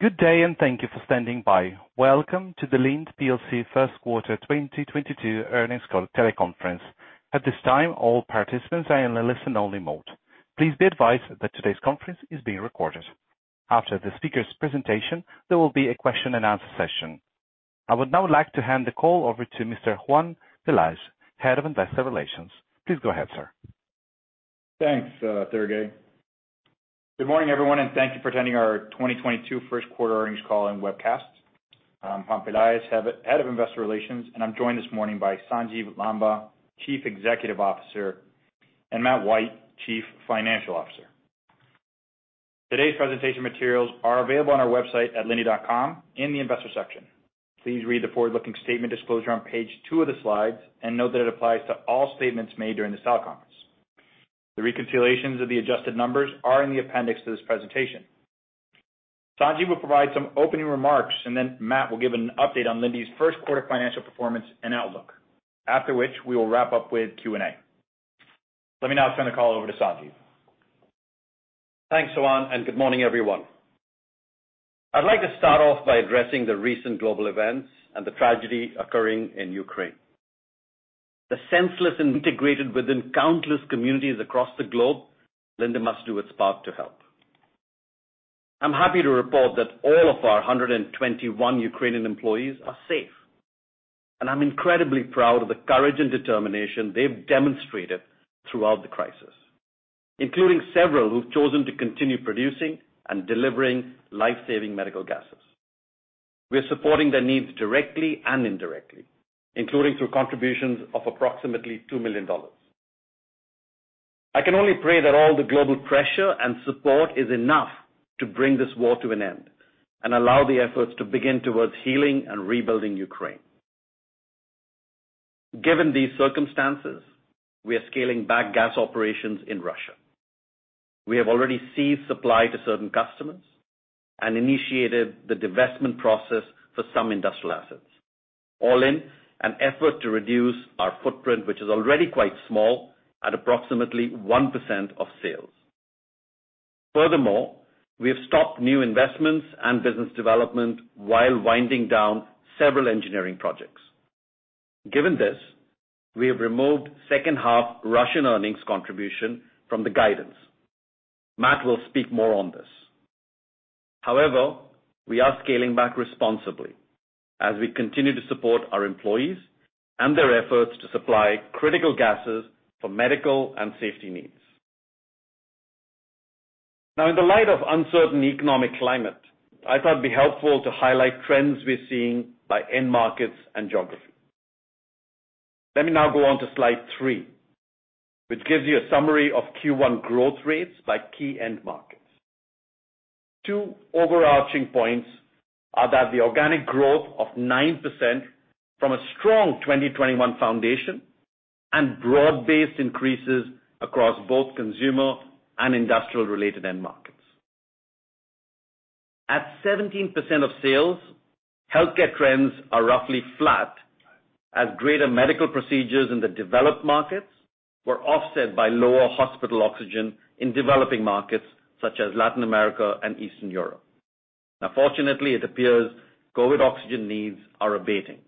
Good day, and thank you for standing by. Welcome to the Linde plc first quarter 2022 earnings call teleconference. At this time, all participants are in a listen-only mode. Please be advised that today's conference is being recorded. After the speaker's presentation, there will be a question-and-answer session. I would now like to hand the call over to Mr. Juan Pelaez, Head of Investor Relations. Please go ahead, sir. Thanks, Sergei. Good morning, everyone, and thank you for attending our 2022 first quarter earnings call and webcast. I'm Juan Pelaez, Head of Investor Relations, and I'm joined this morning by Sanjiv Lamba, Chief Executive Officer, and Matt White, Chief Financial Officer. Today's presentation materials are available on our website at linde.com in the investor section. Please read the forward-looking statement disclosure on page two of the slides, and note that it applies to all statements made during this teleconference. The reconciliations of the adjusted numbers are in the appendix to this presentation. Sanjiv will provide some opening remarks, and then Matt will give an update on Linde's first quarter financial performance and outlook. After which, we will wrap up with Q&A. Let me now turn the call over to Sanjiv. Thanks, Juan, and good morning, everyone. I'd like to start off by addressing the recent global events and the tragedy occurring in Ukraine. The senseless and unprovoked invasion of Ukraine. This tragedy is felt within countless communities across the globe, and Linde must do its part to help. I'm happy to report that all of our 121 Ukrainian employees are safe. I'm incredibly proud of the courage and determination they've demonstrated throughout the crisis, including several who've chosen to continue producing and delivering life-saving medical gases. We're supporting their needs directly and indirectly, including through contributions of approximately $2 million. I can only pray that all the global pressure and support is enough to bring this war to an end and allow the efforts to begin towards healing and rebuilding Ukraine. Given these circumstances, we are scaling back gas operations in Russia. We have already ceased supply to certain customers and initiated the divestment process for some industrial assets, all in an effort to reduce our footprint, which is already quite small at approximately 1% of sales. Furthermore, we have stopped new investments and business development while winding down several engineering projects. Given this, we have removed second-half Russian earnings contribution from the guidance. Matt will speak more on this. However, we are scaling back responsibly as we continue to support our employees and their efforts to supply critical gases for medical and safety needs. Now in the light of uncertain economic climate, I thought it'd be helpful to highlight trends we're seeing by end markets and geography. Let me now go on to slide three, which gives you a summary of Q1 growth rates by key end markets. Two overarching points are that the organic growth of 9% from a strong 2021 foundation and broad-based increases across both consumer and industrial-related end markets. At 17% of sales, healthcare trends are roughly flat as greater medical procedures in the developed markets were offset by lower hospital oxygen in developing markets such as Latin America and Eastern Europe. Now, fortunately, it appears COVID oxygen needs are abating.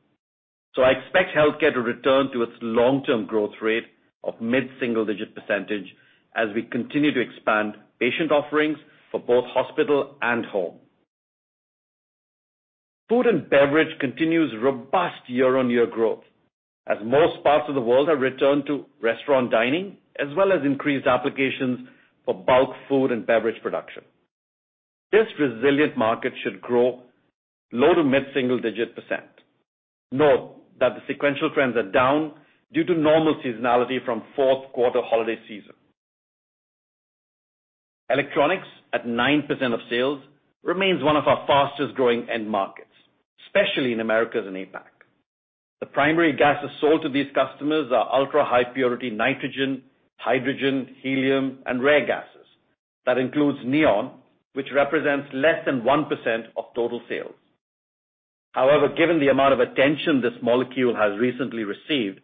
I expect healthcare to return to its long-term growth rate of mid-single-digit percentage as we continue to expand patient offerings for both hospital and home. Food and beverage continues robust year-on-year growth, as most parts of the world have returned to restaurant dining, as well as increased applications for bulk food and beverage production. This resilient market should grow low to mid-single-digit percent. Note that the sequential trends are down due to normal seasonality from fourth quarter holiday season. Electronics at 9% of sales remains one of our fastest-growing end markets, especially in Americas and APAC. The primary gases sold to these customers are ultrahigh purity nitrogen, hydrogen, helium, and rare gases. That includes neon, which represents less than 1% of total sales. However, given the amount of attention this molecule has recently received,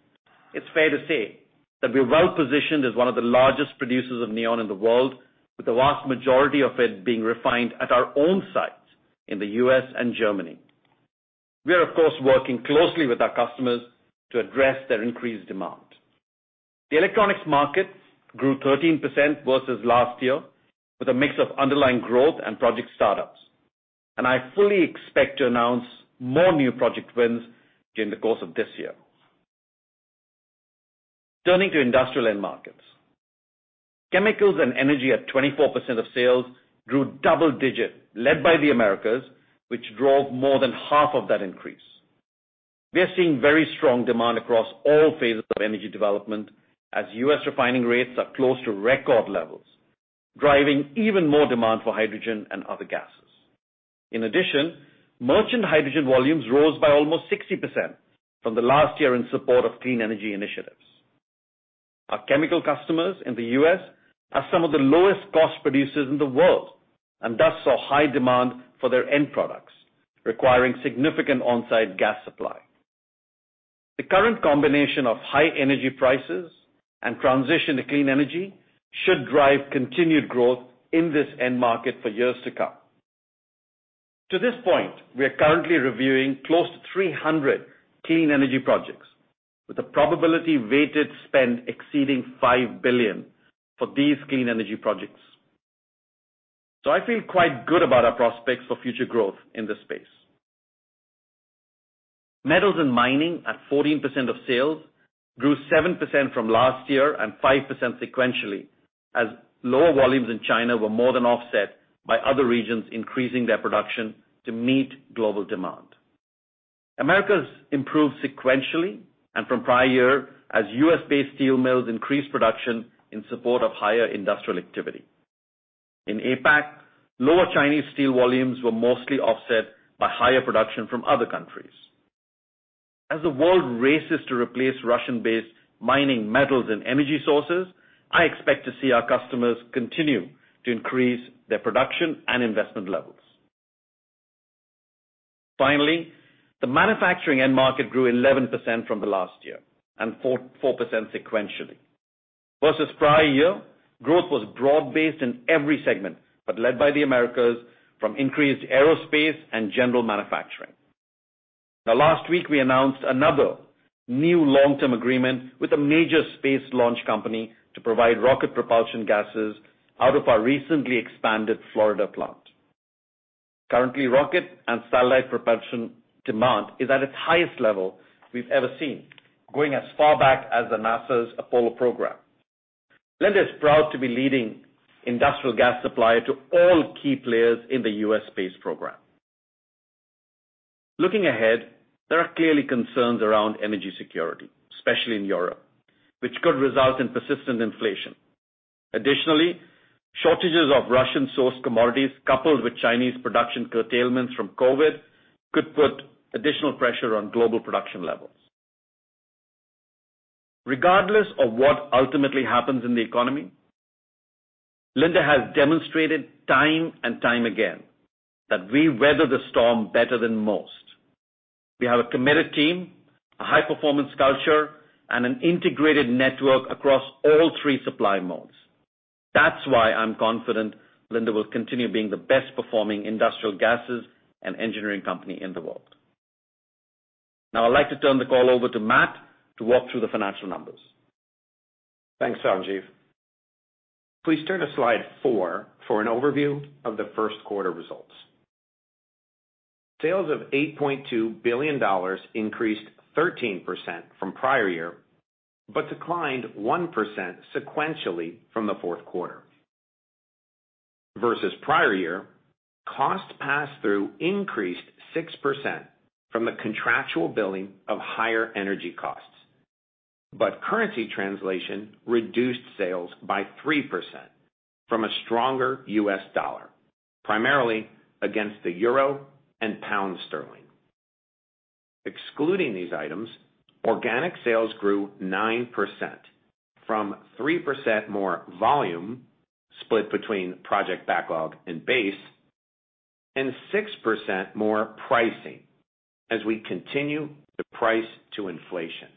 it's fair to say that we're well-positioned as one of the largest producers of neon in the world, with the vast majority of it being refined at our own sites in the U.S. and Germany. We are, of course, working closely with our customers to address their increased demand. The electronics market grew 13% versus last year with a mix of underlying growth and project startups, and I fully expect to announce more new project wins during the course of this year. Turning to industrial end markets. Chemicals and energy at 24% of sales grew double-digit, led by the Americas, which drove more than half of that increase. We are seeing very strong demand across all phases of energy development as U.S. refining rates are close to record levels, driving even more demand for hydrogen and other gases. In addition, merchant hydrogen volumes rose by almost 60% from last year in support of clean energy initiatives. Our chemical customers in the U.S. are some of the lowest cost producers in the world, and thus saw high demand for their end products, requiring significant on-site gas supply. The current combination of high energy prices and transition to clean energy should drive continued growth in this end market for years to come. To this point, we are currently reviewing close to 300 clean energy projects with a probability weighted spend exceeding $5 billion for these clean energy projects. I feel quite good about our prospects for future growth in this space. Metals and mining, at 14% of sales, grew 7% from last year and 5% sequentially, as lower volumes in China were more than offset by other regions increasing their production to meet global demand. Americas improved sequentially and from prior year as U.S.-based steel mills increased production in support of higher industrial activity. In APAC, lower Chinese steel volumes were mostly offset by higher production from other countries. As the world races to replace Russian-based mining, metals and energy sources, I expect to see our customers continue to increase their production and investment levels. Finally, the manufacturing end market grew 11% from the last year and 4% sequentially. Versus prior year, growth was broad-based in every segment, but led by the Americas from increased aerospace and general manufacturing. Now last week, we announced another new long-term agreement with a major space launch company to provide rocket propulsion gases out of our recently expanded Florida plant. Currently, rocket and satellite propulsion demand is at its highest level we've ever seen, going as far back as NASA's Apollo program. Linde is proud to be leading industrial gas supplier to all key players in the U.S. space program. Looking ahead, there are clearly concerns around energy security, especially in Europe, which could result in persistent inflation. Additionally, shortages of Russian-sourced commodities, coupled with Chinese production curtailments from COVID, could put additional pressure on global production levels. Regardless of what ultimately happens in the economy, Linde has demonstrated time and time again that we weather the storm better than most. We have a committed team, a high-performance culture, and an integrated network across all three supply modes. That's why I'm confident Linde will continue being the best performing industrial gases and engineering company in the world. Now, I'd like to turn the call over to Matt to walk through the financial numbers. Thanks, Sanjiv. Please turn to slide four for an overview of the first quarter results. Sales of $8.2 billion increased 13% from prior year, but declined 1% sequentially from the fourth quarter. Versus prior year, costs passed through increased 6% from the contractual billing of higher energy costs. Currency translation reduced sales by 3% from a stronger U.S. dollar, primarily against the euro and pound sterling. Excluding these items, organic sales grew 9% from 3% more volume, split between project backlog and base, and 6% more pricing as we continue to price to inflation.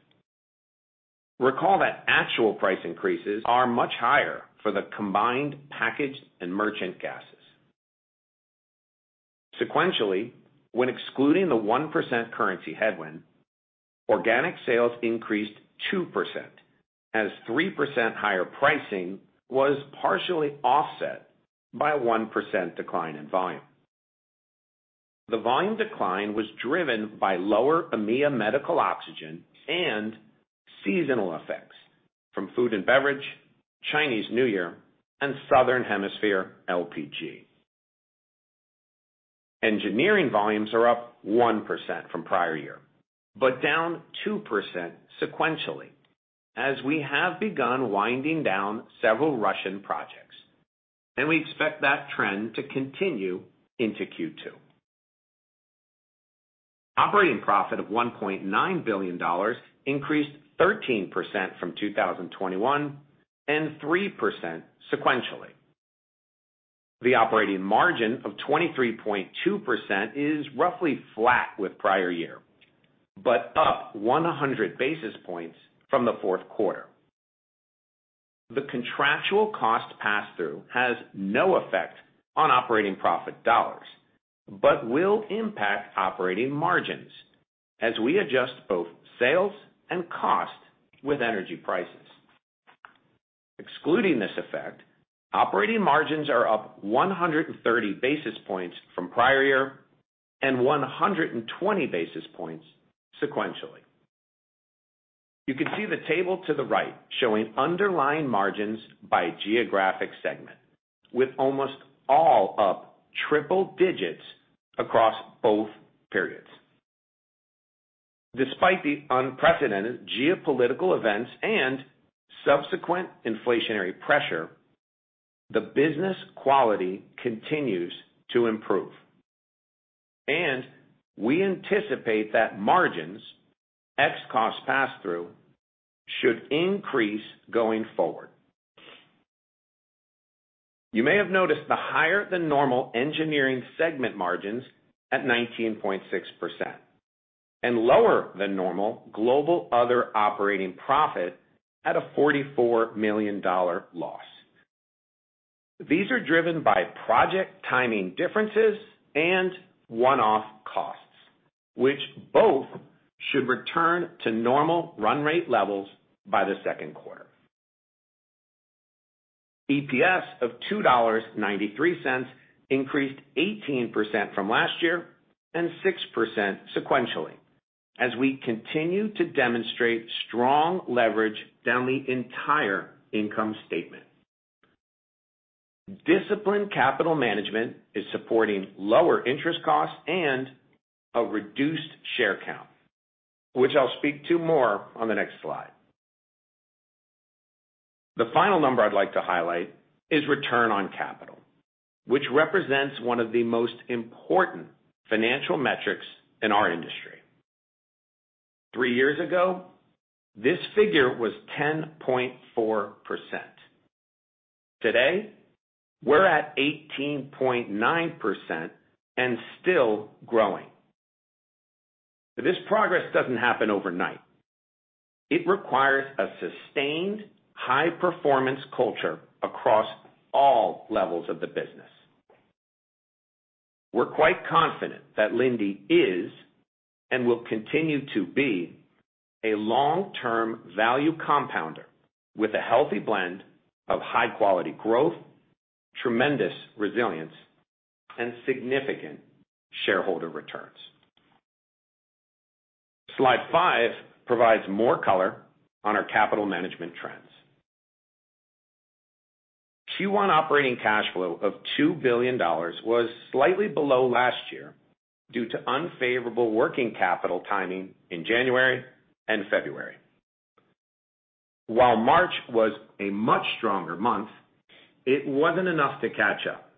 Recall that actual price increases are much higher for the combined packaged and merchant gases. Sequentially, when excluding the 1% currency headwind, organic sales increased 2% as 3% higher pricing was partially offset by a 1% decline in volume. The volume decline was driven by lower EMEA medical oxygen and seasonal effects from food and beverage, Chinese New Year, and Southern Hemisphere LPG. Engineering volumes are up 1% from prior year, but down 2% sequentially as we have begun winding down several Russian projects, and we expect that trend to continue into Q2. Operating profit of $1.9 billion increased 13% from 2021 and 3% sequentially. The operating margin of 23.2% is roughly flat with prior year, but up 100 basis points from the fourth quarter. The contractual cost pass-through has no effect on operating profit dollars, but will impact operating margins as we adjust both sales and cost with energy prices. Excluding this effect, operating margins are up 130 basis points from prior year and 120 basis points sequentially. You can see the table to the right showing underlying margins by geographic segment, with almost all up triple digits across both periods. Despite the unprecedented geopolitical events and subsequent inflationary pressure, the business quality continues to improve. We anticipate that margins, ex-cost pass-through, should increase going forward. You may have noticed the higher than normal engineering segment margins at 19.6% and lower than normal global other operating profit at a $44 million loss. These are driven by project timing differences and one-off costs, which both should return to normal run rate levels by the second quarter. EPS of $2.93 increased 18% from last year and 6% sequentially as we continue to demonstrate strong leverage down the entire income statement. Disciplined capital management is supporting lower interest costs and a reduced share count, which I'll speak to more on the next slide. The final number I'd like to highlight is return on capital, which represents one of the most important financial metrics in our industry. Three years ago, this figure was 10.4%. Today, we're at 18.9% and still growing. This progress doesn't happen overnight. It requires a sustained high-performance culture across all levels of the business. We're quite confident that Linde is and will continue to be a long-term value compounder with a healthy blend of high-quality growth, tremendous resilience, and significant shareholder returns. Slide five provides more color on our capital management trends. Q1 operating cash flow of $2 billion was slightly below last year due to unfavorable working capital timing in January and February. While March was a much stronger month, it wasn't enough to catch up.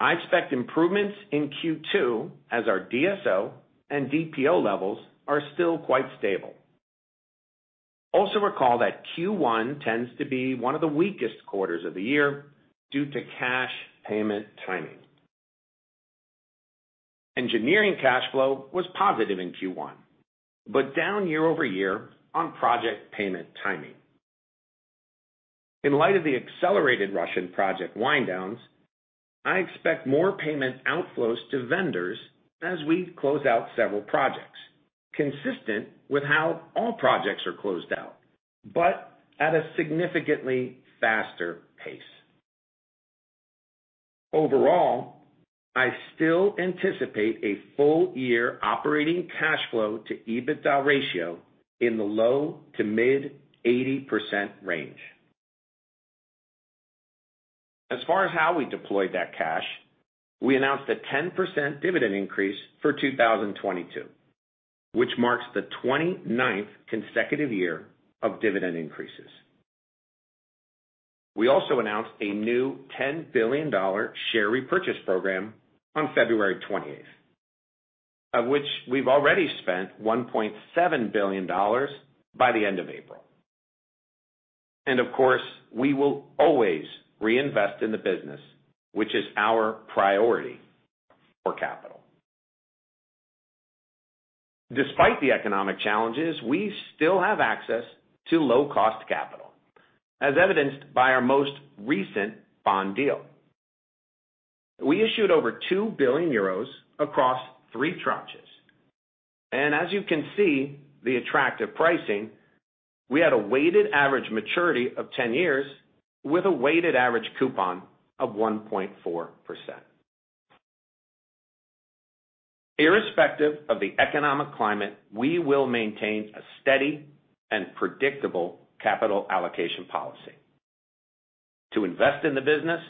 I expect improvements in Q2 as our DSO and DPO levels are still quite stable. Also recall that Q1 tends to be one of the weakest quarters of the year due to cash payment timing. Engineering cash flow was positive in Q1, but down year-over-year on project payment timing. In light of the accelerated Russian project wind downs, I expect more payment outflows to vendors as we close out several projects, consistent with how all projects are closed out, but at a significantly faster pace. Overall, I still anticipate a full year operating cash flow to EBITDA ratio in the low-to-mid 80% range. As far as how we deployed that cash, we announced a 10% dividend increase for 2022, which marks the 29th consecutive year of dividend increases. We also announced a new $10 billion share repurchase program on February 20th, of which we've already spent $1.7 billion by the end of April. Of course, we will always reinvest in the business, which is our priority for capital. Despite the economic challenges, we still have access to low-cost capital, as evidenced by our most recent bond deal. We issued over 2 billion euros across three tranches. As you can see, the attractive pricing, we had a weighted average maturity of 10 years with a weighted average coupon of 1.4%. Irrespective of the economic climate, we will maintain a steady and predictable capital allocation policy to invest in the business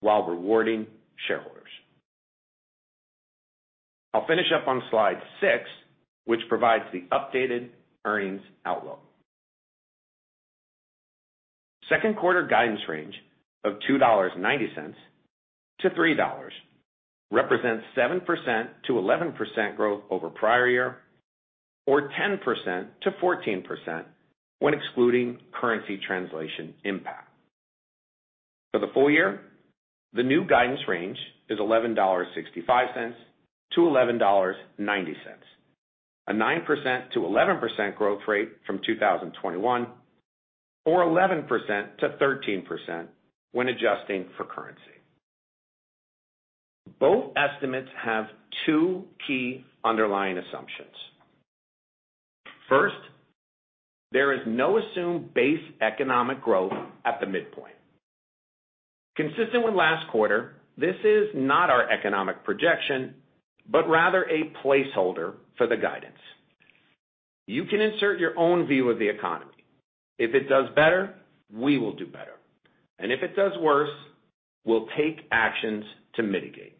while rewarding shareholders. I'll finish up on slide six, which provides the updated earnings outlook. Second quarter guidance range of $2.90-$3.00 represents 7%-11% growth over prior year or 10%-14% when excluding currency translation impact. For the full year, the new guidance range is $11.65-$11.90, a 9%-11% growth rate from 2021, or 11%-13% when adjusting for currency. Both estimates have two key underlying assumptions. First, there is no assumed base economic growth at the midpoint. Consistent with last quarter, this is not our economic projection, but rather a placeholder for the guidance. You can insert your own view of the economy. If it does better, we will do better. If it does worse, we'll take actions to mitigate.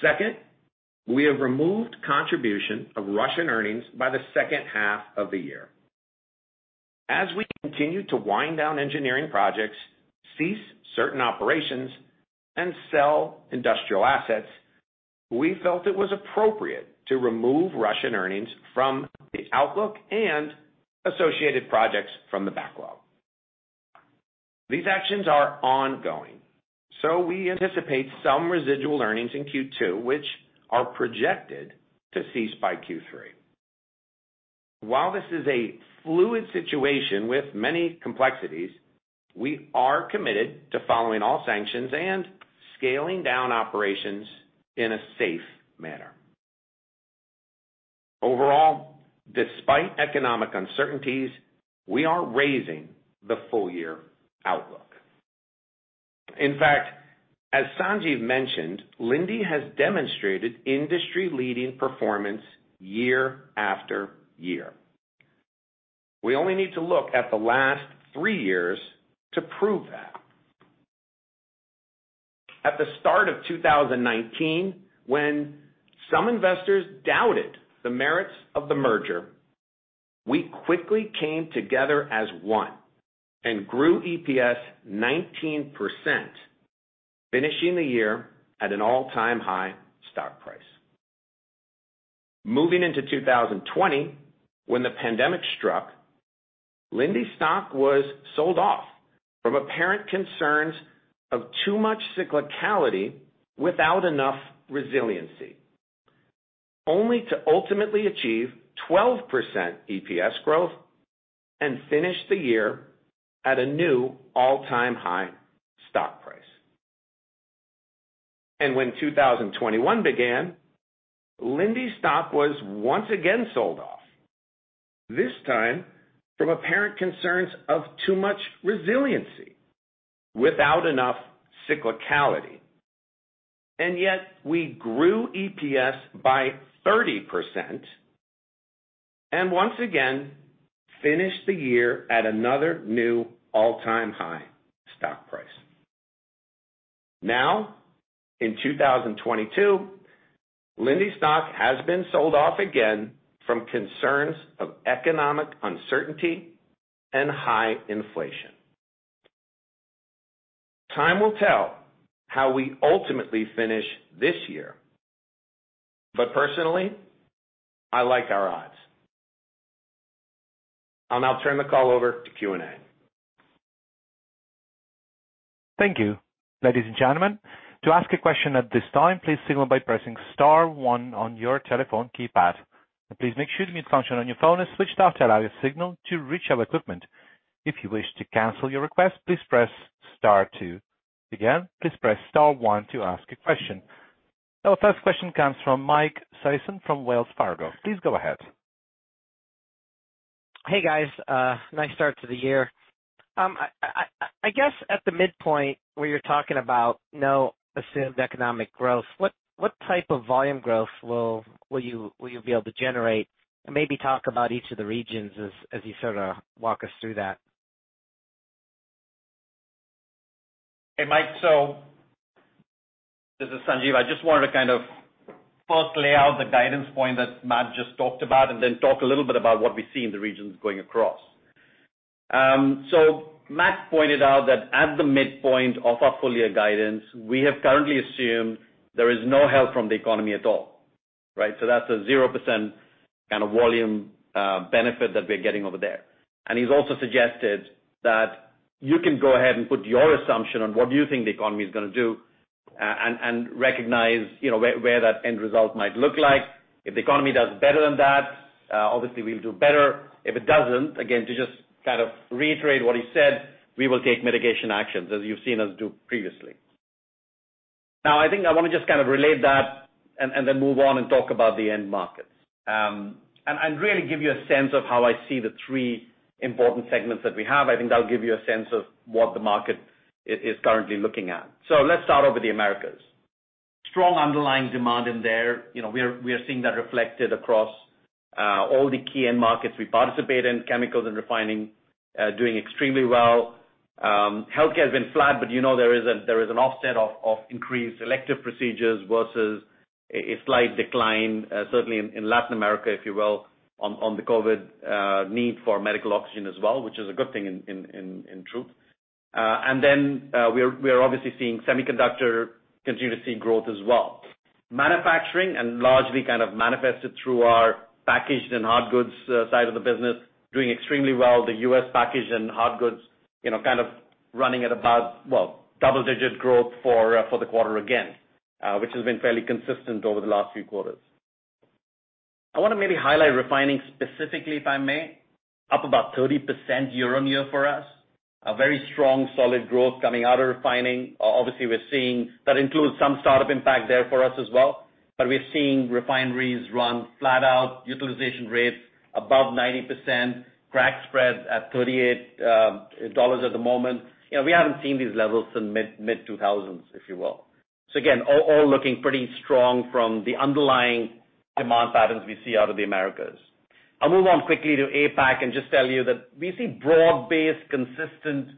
Second, we have removed contribution of Russian earnings by the second half of the year. As we continue to wind down engineering projects, cease certain operations, and sell industrial assets. We felt it was appropriate to remove Russian earnings from the outlook and associated projects from the backlog. These actions are ongoing, so we anticipate some residual earnings in Q2, which are projected to cease by Q3. While this is a fluid situation with many complexities, we are committed to following all sanctions and scaling down operations in a safe manner. Overall, despite economic uncertainties, we are raising the full-year outlook. In fact, as Sanjiv mentioned, Linde has demonstrated industry-leading performance year after year. We only need to look at the last three years to prove that. At the start of 2019, when some investors doubted the merits of the merger, we quickly came together as one and grew EPS 19%, finishing the year at an all-time high stock price. Moving into 2020, when the pandemic struck, Linde stock was sold off from apparent concerns of too much cyclicality without enough resiliency. Only to ultimately achieve 12% EPS growth and finish the year at a new all-time high stock price. When 2021 began, Linde stock was once again sold off, this time from apparent concerns of too much resiliency without enough cyclicality. Yet we grew EPS by 30% and once again finished the year at another new all-time high stock price. Now, in 2022, Linde stock has been sold off again from concerns of economic uncertainty and high inflation. Time will tell how we ultimately finish this year. Personally, I like our odds. I'll now turn the call over to Q&A. Thank you. Ladies and gentlemen, to ask a question at this time, please signal by pressing star one on your telephone keypad. Please make sure the mute function on your phone is switched off to allow a signal to reach our equipment. If you wish to cancel your request, please press star two. Again, please press star one to ask a question. Our first question comes from Mike Sison from Wells Fargo. Please go ahead. Hey, guys. Nice start to the year. I guess at the midpoint where you're talking about no assumed economic growth, what type of volume growth will you be able to generate? Maybe talk about each of the regions as you sort of walk us through that. Hey, Mike. This is Sanjiv. I just wanted to kind of first lay out the guidance point that Matt just talked about, and then talk a little bit about what we see in the regions going across. Matt pointed out that at the midpoint of our full year guidance, we have currently assumed there is no help from the economy at all, right? That's a 0% kind of volume benefit that we're getting over there. He's also suggested that you can go ahead and put your assumption on what you think the economy is gonna do and recognize, you know, where that end result might look like. If the economy does better than that, obviously we'll do better. If it doesn't, again, to just kind of reiterate what he said, we will take mitigation actions as you've seen us do previously. Now, I think I wanna just kind of relate that and then move on and talk about the end markets and really give you a sense of how I see the three important segments that we have. I think that'll give you a sense of what the market is currently looking at. Let's start with the Americas. Strong underlying demand in there. You know, we are seeing that reflected across all the key end markets we participate in, chemicals and refining doing extremely well. Healthcare has been flat, but you know there is an offset of increased elective procedures versus a slight decline certainly in Latin America, if you will, on the COVID need for medical oxygen as well, which is a good thing in truth. We are obviously seeing semiconductor continue to see growth as well. Manufacturing and largely kind of manifested through our packaged and hard goods side of the business doing extremely well. The U.S. packaged and hard goods, you know, kind of running at about, well, double-digit growth for the quarter again, which has been fairly consistent over the last few quarters. I wanna maybe highlight refining specifically, if I may. Up about 30% year-on-year for us, a very strong solid growth coming out of refining. Obviously we're seeing that includes some startup impact there for us as well. We're seeing refineries run flat out, utilization rates above 90%, crack spreads at $38 at the moment. You know, we haven't seen these levels since mid-2000s, if you will. Again, all looking pretty strong from the underlying demand patterns we see out of the Americas. I'll move on quickly to APAC and just tell you that we see broad-based consistent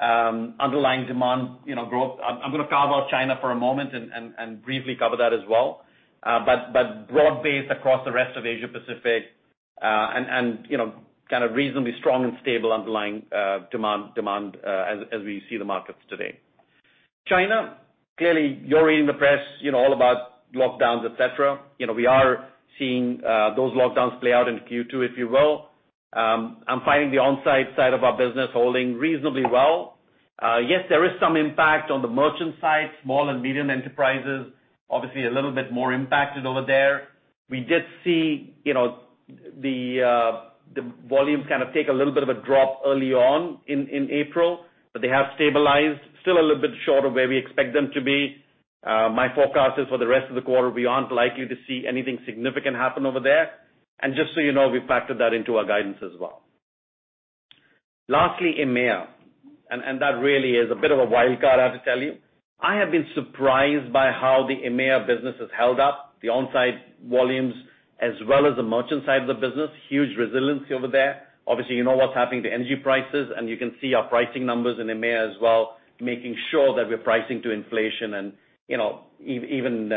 underlying demand, you know, growth. I'm gonna carve out China for a moment and briefly cover that as well. Broad-based across the rest of Asia Pacific and you know kind of reasonably strong and stable underlying demand as we see the markets today. China, clearly you're reading the press, you know, all about lockdowns, et cetera. You know, we are seeing those lockdowns play out in Q2, if you will. I'm finding the onsite side of our business holding reasonably well. Yes, there is some impact on the merchant side, small and medium enterprises, obviously a little bit more impacted over there. We did see, you know, the volumes kind of take a little bit of a drop early on in April, but they have stabilized. Still a little bit short of where we expect them to be. My forecast is for the rest of the quarter, we aren't likely to see anything significant happen over there. Just so you know, we factored that into our guidance as well. Lastly, EMEA, that really is a bit of a wild card, I have to tell you. I have been surprised by how the EMEA business has held up. The onsite volumes as well as the merchant side of the business, huge resiliency over there. Obviously, you know what's happening to energy prices, and you can see our pricing numbers in EMEA as well, making sure that we're pricing to inflation and, you know, even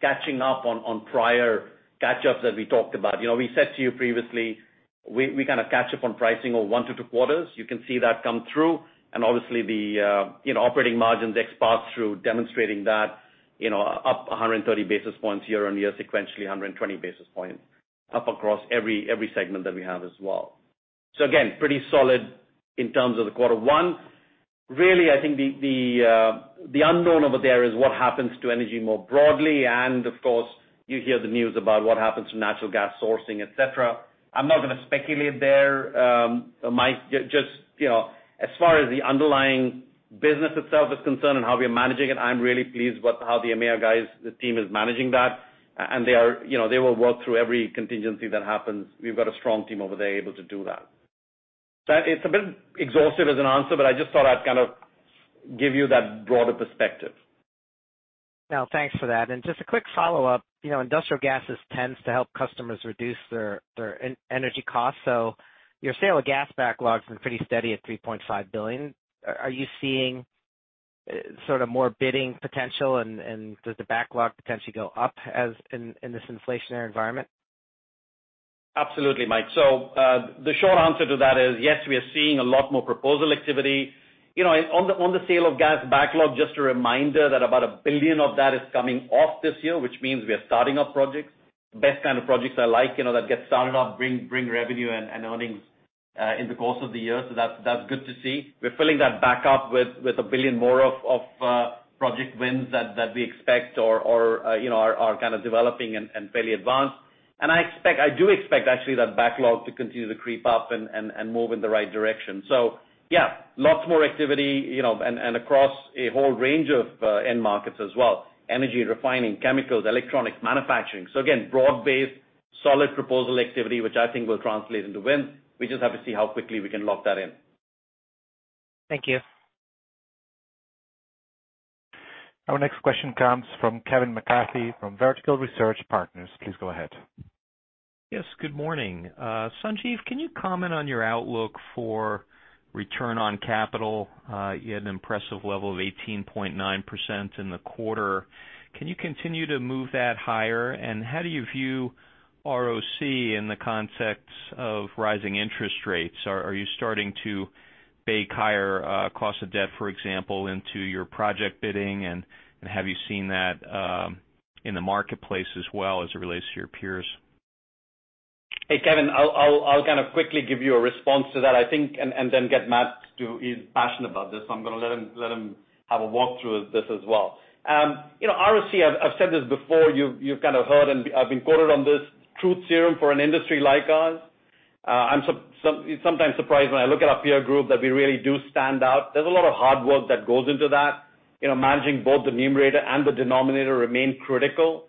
catching up on prior catch-ups that we talked about. You know, we said to you previously, we kinda catch up on pricing over one to two quarters. You can see that come through, and obviously the, you know, operating margins expanded through demonstrating that, you know, up 130 basis points year-on-year, sequentially 120 basis points up across every segment that we have as well. Again, pretty solid in terms of the quarter one. Really, I think the unknown over there is what happens to energy more broadly, and of course, you hear the news about what happens to natural gas sourcing, et cetera. I'm not gonna speculate there. Just, you know, as far as the underlying business itself is concerned and how we are managing it, I'm really pleased with how the EMEA guys, the team, is managing that. They are, you know, they will work through every contingency that happens. We've got a strong team over there able to do that. It's a bit exhaustive as an answer, but I just thought I'd kind of give you that broader perspective. Now, thanks for that. Just a quick follow-up. You know, industrial gases tends to help customers reduce their energy costs, so your sale of gas backlog's been pretty steady at $3.5 billion. Are you seeing sort of more bidding potential and does the backlog potentially go up as in this inflationary environment? Absolutely, Mike. The short answer to that is, yes, we are seeing a lot more proposal activity. You know, on the sale of gas backlog, just a reminder that about $1 billion of that is coming off this year, which means we are starting up projects. Best kind of projects I like, you know, that get started up, bring revenue and earnings in the course of the year. That's good to see. We're filling that back up with $1 billion more of project wins that we expect or you know, are kind of developing and fairly advanced. I expect, I do expect actually that backlog to continue to creep up and move in the right direction. Yeah, lots more activity, you know, and across a whole range of end markets as well, energy refining, chemicals, electronics, manufacturing. Again, broad-based solid proposal activity, which I think will translate into wins. We just have to see how quickly we can lock that in. Thank you. Our next question comes from Kevin McCarthy from Vertical Research Partners. Please go ahead. Yes, good morning. Sanjiv, can you comment on your outlook for return on capital? You had an impressive level of 18.9% in the quarter. Can you continue to move that higher? How do you view ROC in the context of rising interest rates? Are you starting to bake higher cost of debt, for example, into your project bidding, and have you seen that in the marketplace as well as it relates to your peers? Hey, Kevin, I'll kind of quickly give you a response to that, I think, and then get Matt to. He's passionate about this, so I'm gonna let him have a walk-through of this as well. You know, ROC, I've said this before. You've kind of heard and I've been quoted on this truth serum for an industry like ours. I'm sometimes surprised when I look at our peer group that we really do stand out. There's a lot of hard work that goes into that. You know, managing both the numerator and the denominator remain critical.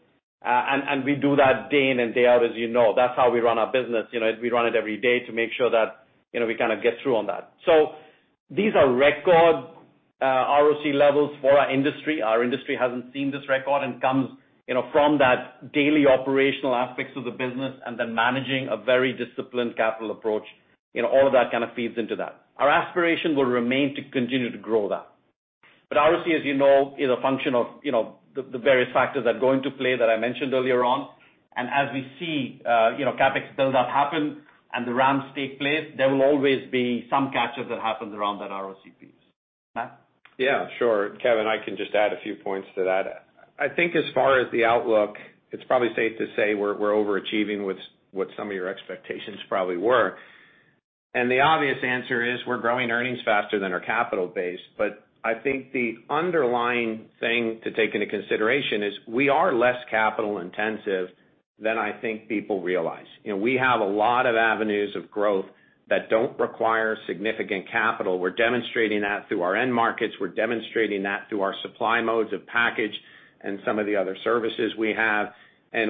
We do that day in and day out as you know. That's how we run our business. You know, we run it every day to make sure that we kinda get through on that. These are record ROC levels for our industry. Our industry hasn't seen this record and comes, you know, from that daily operational aspects of the business and then managing a very disciplined capital approach. You know, all of that kind of feeds into that. Our aspiration will remain to continue to grow that. ROC, as you know, is a function of, you know, the various factors that go into play that I mentioned earlier on. As we see, you know, CapEx build-up happen and the ramps take place, there will always be some catch-up that happens around that ROC piece. Matt? Yeah, sure. Kevin, I can just add a few points to that. I think as far as the outlook, it's probably safe to say we're overachieving what some of your expectations probably were. The obvious answer is we're growing earnings faster than our capital base. I think the underlying thing to take into consideration is we are less capital intensive than I think people realize. You know, we have a lot of avenues of growth that don't require significant capital. We're demonstrating that through our end markets. We're demonstrating that through our supply modes of package and some of the other services we have.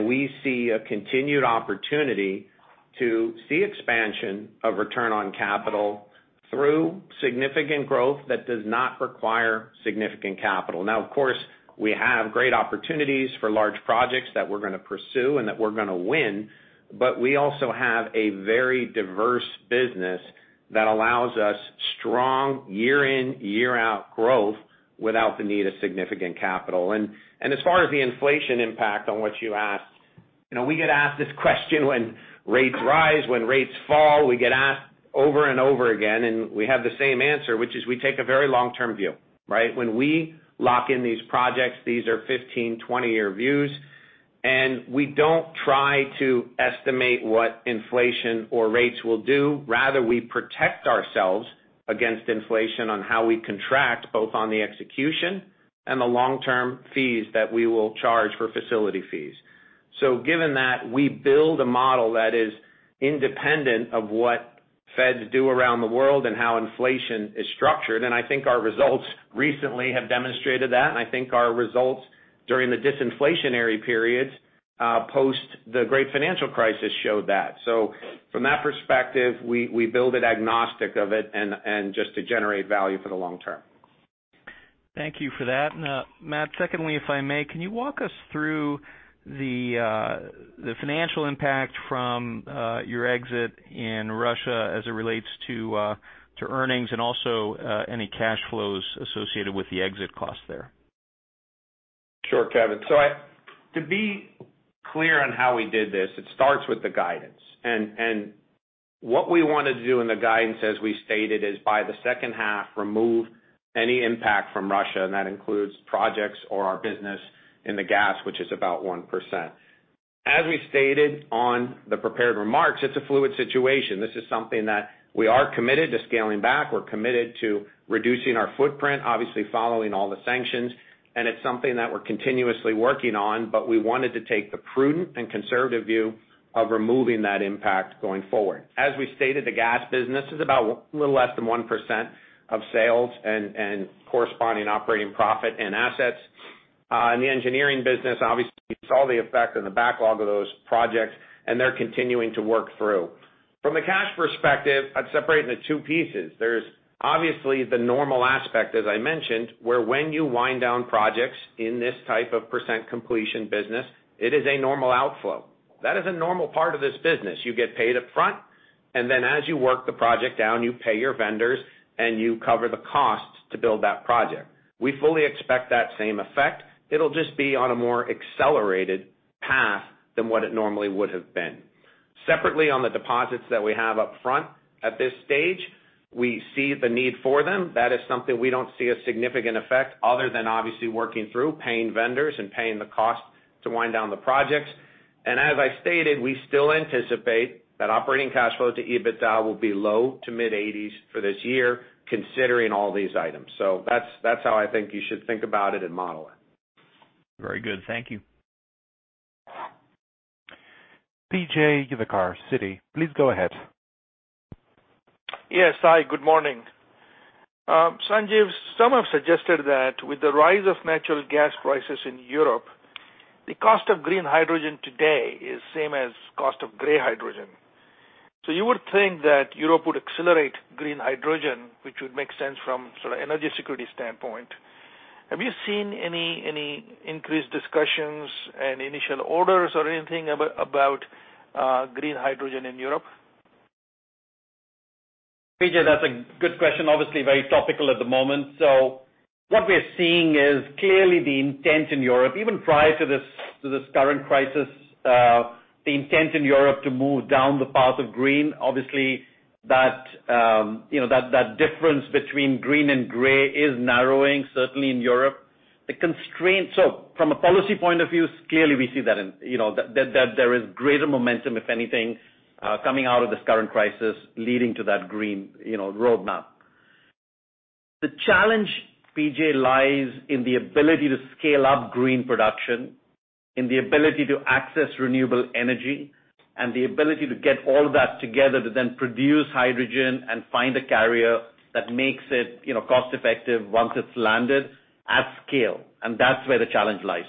We see a continued opportunity to see expansion of return on capital through significant growth that does not require significant capital. Now, of course, we have great opportunities for large projects that we're gonna pursue and that we're gonna win, but we also have a very diverse business that allows us strong year-in, year-out growth without the need of significant capital. As far as the inflation impact on what you asked, you know, we get asked this question when rates rise, when rates fall, we get asked over and over again, and we have the same answer, which is we take a very long-term view, right? When we lock in these projects, these are 15, 20-year views, and we don't try to estimate what inflation or rates will do. Rather, we protect ourselves against inflation on how we contract, both on the execution and the long-term fees that we will charge for facility fees. Given that, we build a model that is independent of what feds do around the world and how inflation is structured, and I think our results recently have demonstrated that, and I think our results during the disinflationary periods post the great financial crisis showed that. From that perspective, we build it agnostic of it and just to generate value for the long term. Thank you for that. Now, Matt, secondly, if I may, can you walk us through the financial impact from your exit in Russia as it relates to earnings and also any cash flows associated with the exit costs there? Sure, Kevin. To be clear on how we did this, it starts with the guidance. What we wanna do in the guidance, as we stated, is by the second half, remove any impact from Russia, and that includes projects or our business in the gas, which is about 1%. As we stated on the prepared remarks, it's a fluid situation. This is something that we are committed to scaling back. We're committed to reducing our footprint, obviously following all the sanctions. It's something that we're continuously working on, but we wanted to take the prudent and conservative view of removing that impact going forward. As we stated, the gas business is about a little less than 1% of sales and corresponding operating profit and assets. In the engineering business, obviously you saw the effect in the backlog of those projects, and they're continuing to work through. From a cash perspective, I'd separate it into two pieces. There's obviously the normal aspect, as I mentioned, where when you wind down projects in this type of percent completion business, it is a normal outflow. That is a normal part of this business. You get paid up front, and then as you work the project down, you pay your vendors, and you cover the costs to build that project. We fully expect that same effect. It'll just be on a more accelerated path than what it normally would have been. Separately, on the deposits that we have up front at this stage, we see the need for them. That is something we don't see a significant effect other than obviously working through, paying vendors and paying the cost to wind down the projects. As I stated, we still anticipate that operating cash flow to EBITDA will be low- to mid-80s% for this year, considering all these items. That's how I think you should think about it and model it. Very good. Thank you. P.J. Juvekar, Citi, please go ahead. Yes. Hi, good morning. Sanjiv, some have suggested that with the rise of natural gas prices in Europe, the cost of green hydrogen today is same as cost of gray hydrogen. You would think that Europe would accelerate green hydrogen, which would make sense from sort of energy security standpoint. Have you seen any increased discussions and initial orders or anything about green hydrogen in Europe? P.J., that's a good question. Obviously very topical at the moment. What we're seeing is clearly the intent in Europe. Even prior to this current crisis, the intent in Europe to move down the path of green, obviously, you know, that difference between green and gray is narrowing, certainly in Europe. From a policy point of view, clearly we see that there is greater momentum, if anything, coming out of this current crisis leading to that green, you know, roadmap. The challenge, PJ, lies in the ability to scale up green production, in the ability to access renewable energy, and the ability to get all that together to then produce hydrogen and find a carrier that makes it, you know, cost-effective once it's landed at scale. That's where the challenge lies.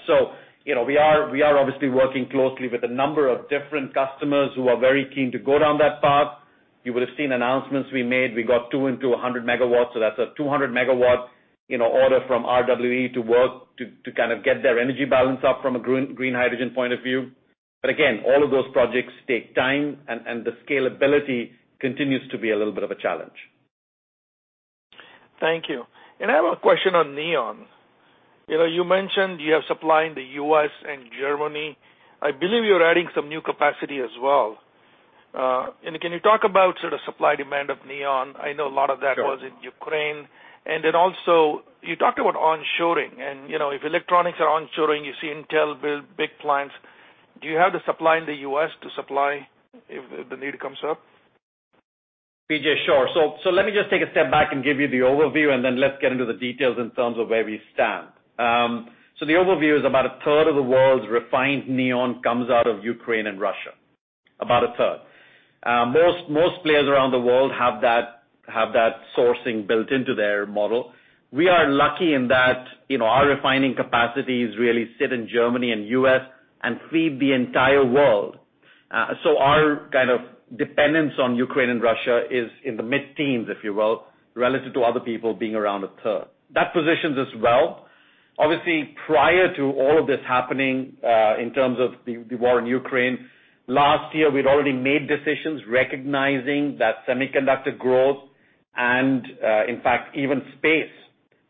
You know, we are obviously working closely with a number of different customers who are very keen to go down that path. You would have seen announcements we made. We got 200 MW, so that's a 200 MW, you know, order from RWE to work to kind of get their energy balance up from a green hydrogen point of view. Again, all of those projects take time and the scalability continues to be a little bit of a challenge. Thank you. I have a question on neon. You know, you mentioned you are supplying the U.S. and Germany. I believe you're adding some new capacity as well. Can you talk about sort of supply-demand of neon? I know a lot of that. Sure. Was in Ukraine. Then also you talked about onshoring. You know, if electronics are onshoring, you see Intel build big plants. Do you have the supply in the U.S. to supply if the need comes up? P.J., sure. Let me just take a step back and give you the overview, and then let's get into the details in terms of where we stand. The overview is about 1/3 of the world's refined neon comes out of Ukraine and Russia. About 1/3. Most players around the world have that sourcing built into their model. We are lucky in that, you know, our refining capacities really sit in Germany and U.S. and feed the entire world. Our kind of dependence on Ukraine and Russia is in the mid-teens, if you will, relative to other people being around 1/3. That positions us well. Obviously, prior to all of this happening, in terms of the war in Ukraine, last year, we'd already made decisions recognizing that semiconductor growth and in fact, even space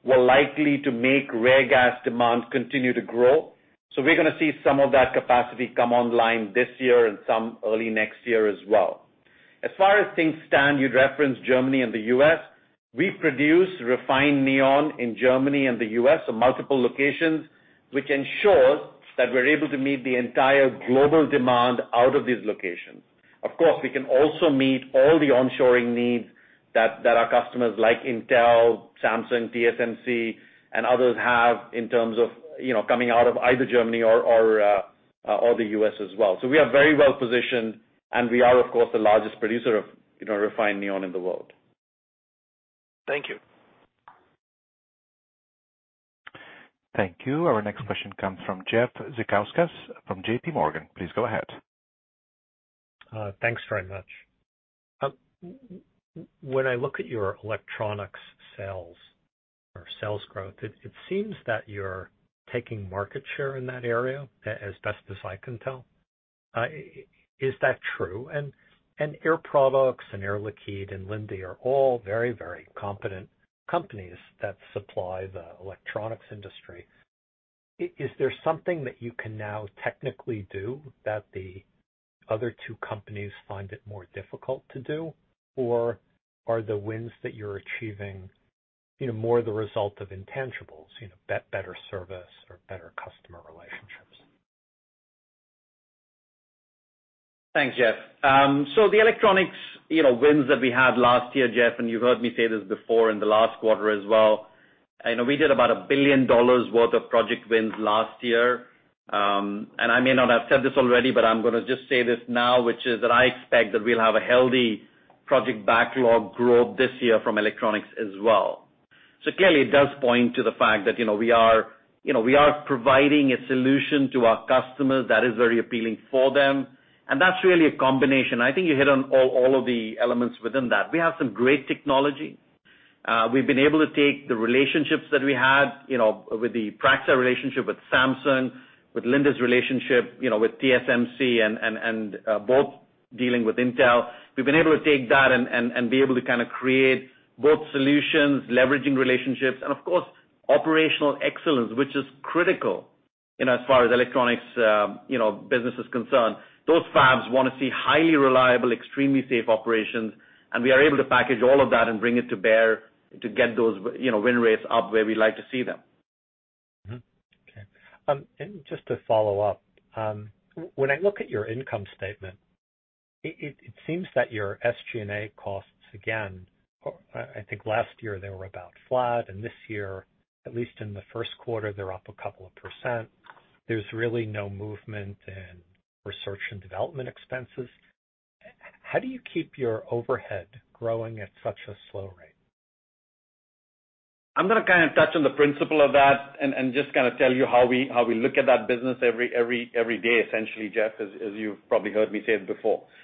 were likely to make rare gas demand continue to grow. We're gonna see some of that capacity come online this year and some early next year as well. As far as things stand, you'd referenced Germany and the U.S. We produce refined neon in Germany and the U.S., so multiple locations, which ensures that we're able to meet the entire global demand out of these locations. Of course, we can also meet all the onshoring needs that our customers like Intel, Samsung, TSMC, and others have in terms of, you know, coming out of either Germany or the U.S. as well. We are very well-positioned, and we are, of course, the largest producer of, you know, refined neon in the world. Thank you. Thank you. Our next question comes from Jeff Zekauskas from JPMorgan. Please go ahead. Thanks very much. When I look at your electronics sales or sales growth, it seems that you're taking market share in that area, as best as I can tell. Is that true? Air Products and Air Liquide and Linde are all very competent companies that supply the electronics industry. Is there something that you can now technically do that the other two companies find it more difficult to do? Or are the wins that you're achieving, you know, more the result of intangibles? You know, better service or better customer relationships. Thanks, Jeff. The electronics, you know, wins that we had last year, Jeff, and you've heard me say this before in the last quarter as well, you know, we did about $1 billion worth of project wins last year. I may not have said this already, but I'm gonna just say this now, which is that I expect that we'll have a healthy project backlog growth this year from electronics as well. Clearly it does point to the fact that, you know, we are, you know, we are providing a solution to our customers that is very appealing for them, and that's really a combination. I think you hit on all of the elements within that. We have some great technology. We've been able to take the relationships that we had, you know, with the Praxair relationship with Samsung, with Linde's relationship, you know, with TSMC and both dealing with Intel. We've been able to take that and be able to kinda create both solutions, leveraging relationships, and of course, operational excellence, which is critical, you know, as far as electronics, you know, business is concerned. Those fabs wanna see highly reliable, extremely safe operations, and we are able to package all of that and bring it to bear to get those win rates up where we like to see them. Okay. When I look at your income statement, it seems that your SG&A costs, again, I think last year they were about flat, and this year, at least in the first quarter, they're up a couple of percent. There's really no movement in research and development expenses. How do you keep your overhead growing at such a slow rate? I'm gonna kinda touch on the principle of that and just kinda tell you how we look at that business every day, essentially, Jeff, as you've probably heard me say it before. You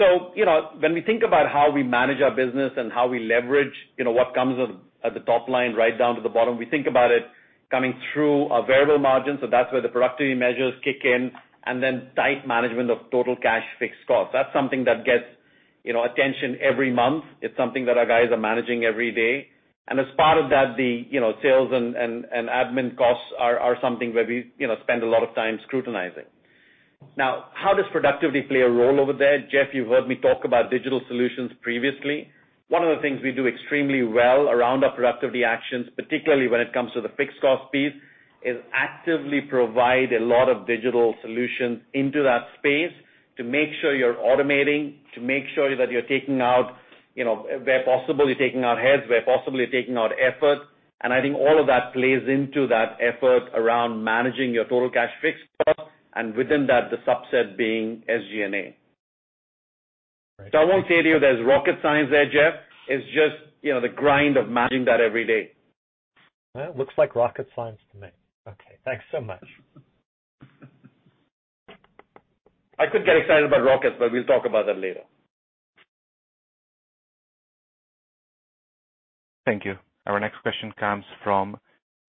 know, when we think about how we manage our business and how we leverage what comes at the top line right down to the bottom, we think about it coming through our variable margins, so that's where the productivity measures kick in, and then tight management of total cash fixed costs. That's something that gets attention every month. It's something that our guys are managing every day. As part of that, the sales and admin costs are something where we spend a lot of time scrutinizing. Now, how does productivity play a role over there? Jeff, you've heard me talk about digital solutions previously. One of the things we do extremely well around our productivity actions, particularly when it comes to the fixed cost piece, is actively provide a lot of digital solutions into that space to make sure you're automating, to make sure that you're taking out, you know, where possible, you're taking out heads, where possible, you're taking out effort. I think all of that plays into that effort around managing your total cash fixed costs, and within that, the subset being SG&A. Right. I won't say to you there's rocket science there, Jeff. It's just, you know, the grind of managing that every day. Well, it looks like rocket science to me. Okay, thanks so much. I could get excited about rockets, but we'll talk about that later. Thank you. Our next question comes from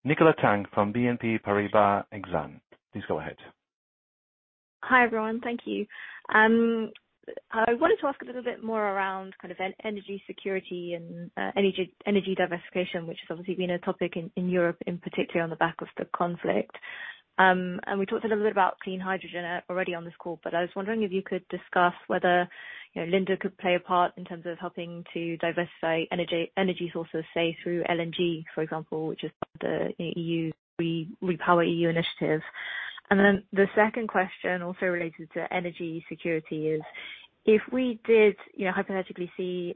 Nicola Tang from BNP Paribas Exane. Please go ahead. Hi, everyone. Thank you. I wanted to ask a little bit more around kind of energy security and energy diversification, which has obviously been a topic in Europe, and particularly on the back of the conflict. We talked a little bit about clean hydrogen already on this call, but I was wondering if you could discuss whether Linde could play a part in terms of helping to diversify energy sources, say through LNG, for example, which is part of the REPowerEU initiative. The second question also related to energy security is, if we did hypothetically see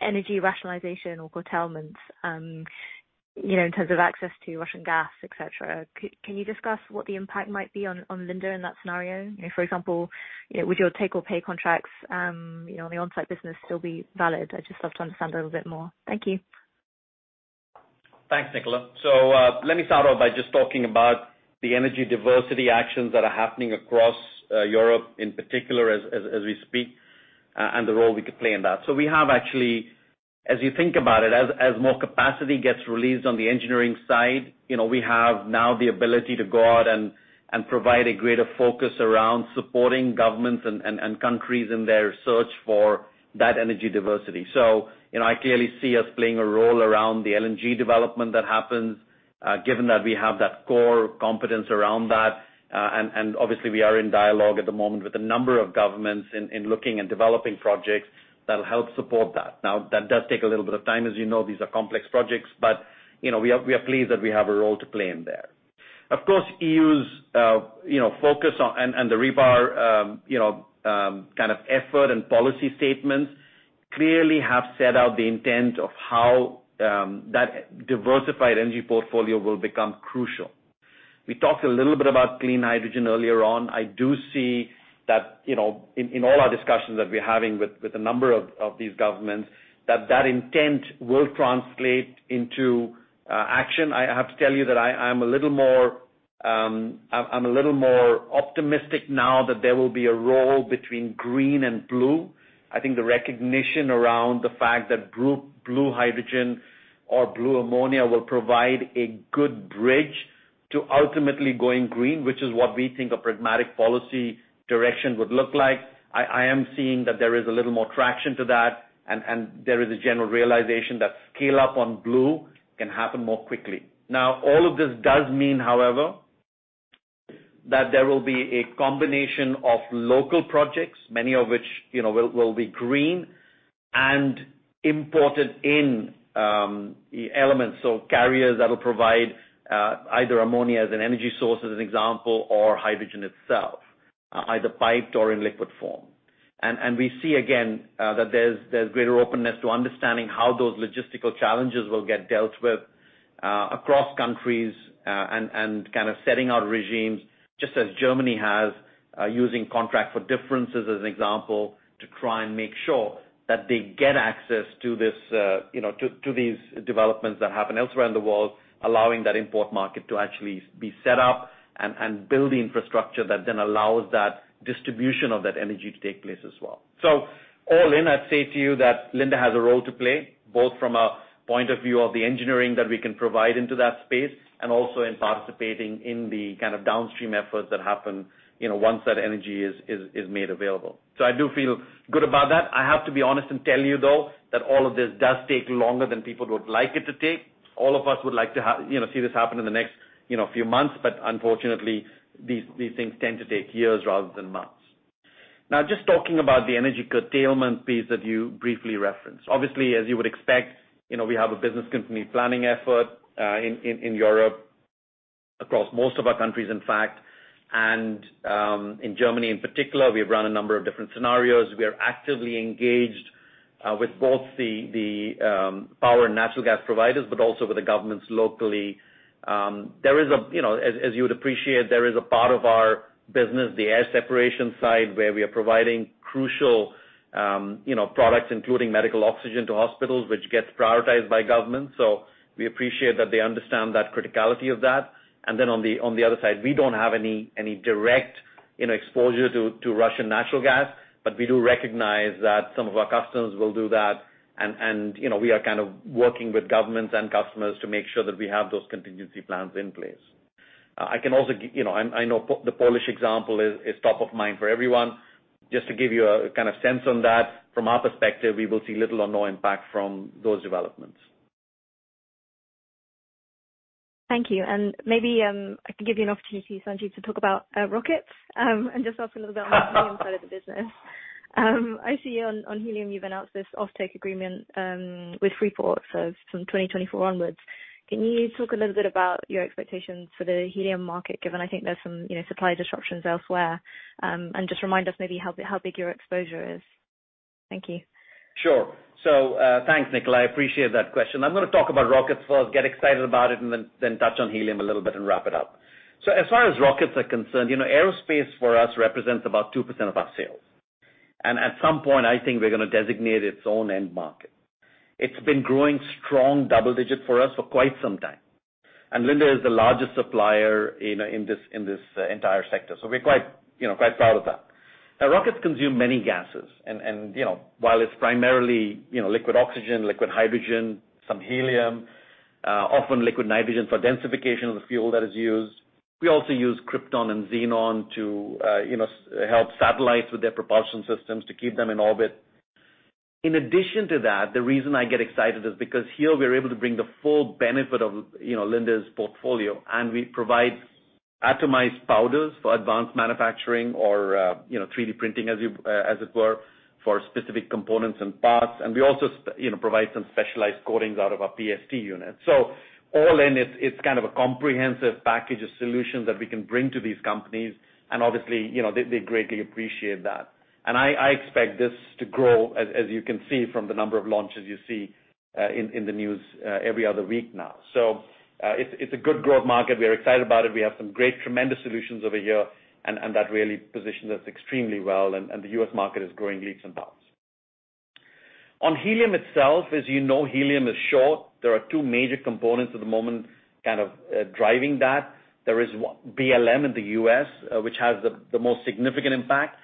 energy rationalization or curtailments in terms of access to Russian gas, et cetera, can you discuss what the impact might be on Linde in that scenario? You know, for example, you know, would your take or pay contracts, you know, on the on-site business still be valid? I'd just love to understand a little bit more. Thank you. Thanks, Nicola. Let me start off by just talking about the energy diversity actions that are happening across Europe in particular as we speak, and the role we could play in that. As you think about it, as more capacity gets released on the engineering side, you know, we have now the ability to go out and provide a greater focus around supporting governments and countries in their search for that energy diversity. You know, I clearly see us playing a role around the LNG development that happens, given that we have that core competence around that. And obviously we are in dialogue at the moment with a number of governments in looking and developing projects that'll help support that. Now, that does take a little bit of time. As you know, these are complex projects, but we are pleased that we have a role to play in there. Of course, EU's focus on and the REPowerEU kind of effort and policy statements clearly have set out the intent of how that diversified energy portfolio will become crucial. We talked a little bit about clean hydrogen earlier on. I do see that in all our discussions that we're having with a number of these governments, that intent will translate into action. I have to tell you that I'm a little more optimistic now that there will be a role between green and blue. I think the recognition around the fact that blue hydrogen or blue ammonia will provide a good bridge to ultimately going green, which is what we think a pragmatic policy direction would look like. I am seeing that there is a little more traction to that, and there is a general realization that scale up on blue can happen more quickly. Now, all of this does mean, however, that there will be a combination of local projects, many of which you know, will be green and imported elements. So carriers that'll provide either ammonia as an energy source, as an example, or hydrogen itself, either piped or in liquid form. We see again that there's greater openness to understanding how those logistical challenges will get dealt with across countries, and kind of setting out regimes just as Germany has, using contract for differences, as an example, to try and make sure that they get access to this, you know, to these developments that happen elsewhere in the world, allowing that import market to actually be set up and build the infrastructure that then allows that distribution of that energy to take place as well. All in, I'd say to you that Linde has a role to play, both from a point of view of the engineering that we can provide into that space, and also in participating in the kind of downstream efforts that happen, you know, once that energy is made available. I do feel good about that. I have to be honest and tell you though, that all of this does take longer than people would like it to take. All of us would like to have, you know, see this happen in the next, you know, few months, but unfortunately, these things tend to take years rather than months. Now, just talking about the energy curtailment piece that you briefly referenced. Obviously, as you would expect, you know, we have a business continuity planning effort in Europe, across most of our countries, in fact. In Germany in particular, we've run a number of different scenarios. We are actively engaged with both the power and natural gas providers, but also with the governments locally. There is, you know, as you would appreciate, there is a part of our business, the air separation side, where we are providing crucial, you know, products including medical oxygen to hospitals, which gets prioritized by government. We appreciate that they understand that criticality of that. On the other side, we don't have any direct, you know, exposure to Russian natural gas, but we do recognize that some of our customers will do that. You know, we are kind of working with governments and customers to make sure that we have those contingency plans in place. I can also, you know, I know the Polish example is top of mind for everyone. Just to give you a kind of sense on that, from our perspective, we will see little or no impact from those developments. Thank you. Maybe I can give you an opportunity, Sanjiv, to talk about rockets and just ask a little bit about the helium side of the business. I see on helium, you've announced this offtake agreement with Freeport, so from 2024 onwards. Can you talk a little bit about your expectations for the helium market, given I think there's some, you know, supply disruptions elsewhere? Just remind us maybe how big your exposure is. Thank you. Sure. Thanks, Nicola. I appreciate that question. I'm gonna talk about rockets first, get excited about it, and then touch on helium a little bit and wrap it up. As far as rockets are concerned, you know aerospace for us represents about 2% of our sales. At some point, I think we're gonna designate its own end market. It's been growing strong double-digit for us for quite some time. Linde is the largest supplier in this entire sector. We're quite, you know, quite proud of that. Now, rockets consume many gases and, you know, while it's primarily, you know, liquid oxygen, liquid hydrogen, some helium, often liquid nitrogen for densification of the fuel that is used. We also use krypton and xenon to, you know, help satellites with their propulsion systems to keep them in orbit. In addition to that, the reason I get excited is because here we are able to bring the full benefit of, you know, Linde's portfolio, and we provide atomized powders for advanced manufacturing or, you know, 3D printing as it were, for specific components and parts. We also, you know, provide some specialized coatings out of our PST unit. All in, it's kind of a comprehensive package of solutions that we can bring to these companies, and obviously, you know, they greatly appreciate that. I expect this to grow, as you can see from the number of launches you see in the news every other week now. It's a good growth market. We are excited about it. We have some great, tremendous solutions over here and that really positions us extremely well and the U.S. market is growing leaps and bounds. On helium itself, as you know, helium is short. There are two major components at the moment driving that. There is BLM in the U.S., which has the most significant impact.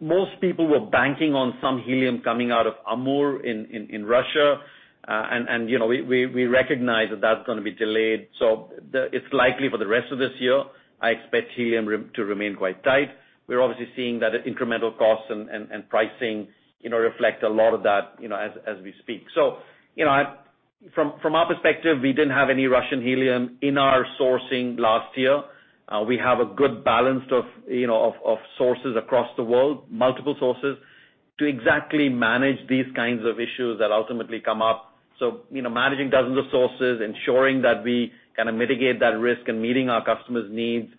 Most people were banking on some helium coming out of Amur in Russia. You know, we recognize that that's gonna be delayed. It's likely for the rest of this year, I expect helium to remain quite tight. We're obviously seeing that incremental costs and pricing, you know, reflect a lot of that, you know, as we speak. From our perspective, we didn't have any Russian helium in our sourcing last year. We have a good balance of, you know, of sources across the world, multiple sources, to exactly manage these kinds of issues that ultimately come up. You know, managing dozens of sources, ensuring that we kinda mitigate that risk and meeting our customers' needs,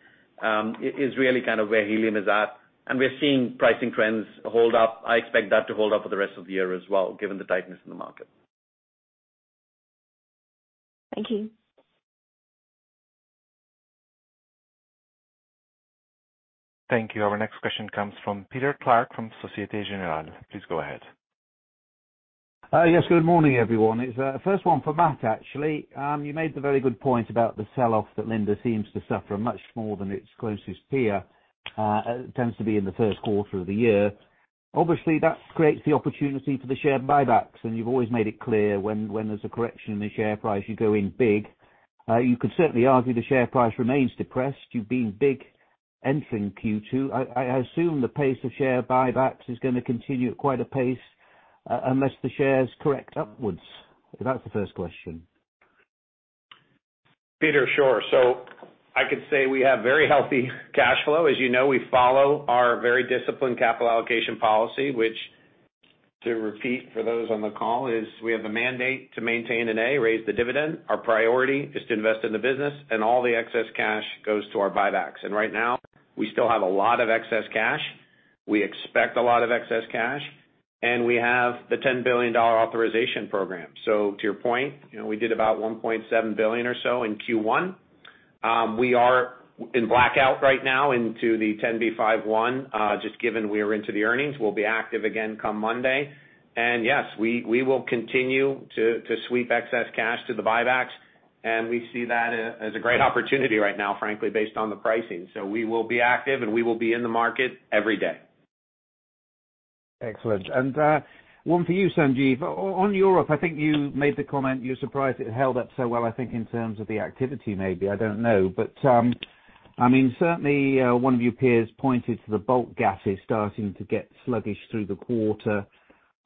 is really kind of where helium is at. We're seeing pricing trends hold up. I expect that to hold up for the rest of the year as well, given the tightness in the market. Thank you. Thank you. Our next question comes from Peter Clark from Société Générale. Please go ahead. Yes, good morning, everyone. It's first one for Matt, actually. You made the very good point about the sell-off that Linde seems to suffer much more than its closest peer tends to be in the first quarter of the year. Obviously, that creates the opportunity for the share buybacks, and you've always made it clear when there's a correction in the share price, you go in big. You could certainly argue the share price remains depressed. You've been big entering Q2. I assume the pace of share buybacks is gonna continue at quite a pace unless the shares correct upwards. That's the first question. Peter, sure. I could say we have very healthy cash flow. As you know, we follow our very disciplined capital allocation policy, which to repeat for those on the call, is we have the mandate to maintain and, A, raise the dividend. Our priority is to invest in the business, and all the excess cash goes to our buybacks. Right now, we still have a lot of excess cash. We expect a lot of excess cash, and we have the $10 billion authorization program. To your point, you know, we did about $1.7 billion or so in Q1. We are in blackout right now into the 10b5-1, just given we are into the earnings. We'll be active again come Monday. Yes, we will continue to sweep excess cash to the buybacks, and we see that as a great opportunity right now, frankly, based on the pricing. We will be active, and we will be in the market every day. Excellent. One for you, Sanjiv. On Europe, I think you made the comment you're surprised it held up so well, I think, in terms of the activity, maybe, I don't know. I mean, certainly, one of your peers pointed to the bulk gases starting to get sluggish through the quarter.